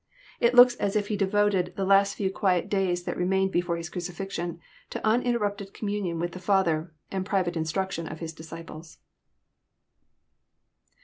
It looks as if Ha 804 EXPOSITORY THOUGHTS. devoted the last few qnlet days that remained before His crnc!< flxioD, to UD interrupted communion with the father, and pri vate instruction of His disciples.